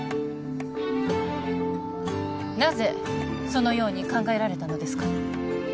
なぜそのように考えられたのですか？